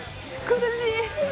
苦しい。